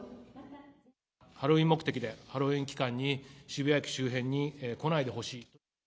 ハロウィーン目的でハロウィーン期間に渋谷駅周辺に来ないでほしい。